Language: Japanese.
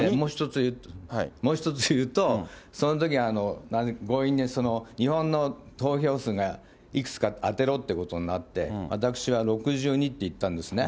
もう一つ言うと、そのとき、強引に日本の投票数がいくつか当てろっていうことになって、私は６２って言ったんですね。